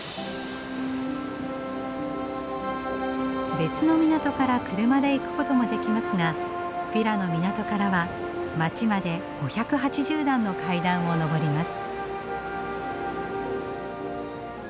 別の港から車で行くこともできますがフィラの港からは街まで５８０段の階段を上ります。